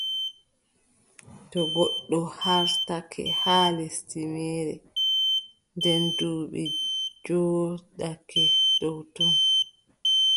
To goɗɗo haartake haa lesdi meere, nden buubi njooɗake dow ton,